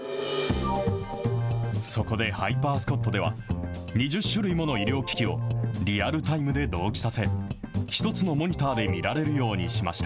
そこでハイパー・スコットでは、２０種類もの医療機器をリアルタイムで同期させ、１つのモニターで見られるようにしました。